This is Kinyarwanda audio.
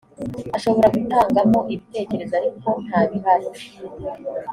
ashobora gutangamo ibitekerezo ariko nta bihari